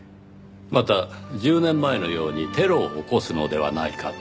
また１０年前のようにテロを起こすのではないかと？